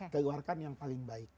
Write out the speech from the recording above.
keluarkan yang paling baik